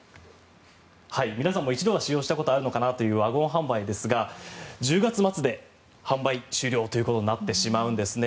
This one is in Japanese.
皆さんも一度は使用したことがあるのかなと思うワゴン販売ですが１０月末で販売終了ということになってしまうんですね。